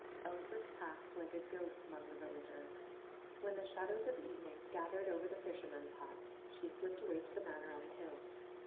Elspeth passed like a ghost among the villagers. When the shadows of evening gathered over the fisher men's huts she slipped away to the Manor on the hill.